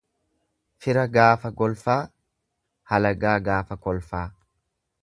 Fira gaafa golfaa halagaa gaafa kolfaa.